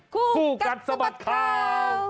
คู่กัดสะบัดข่าว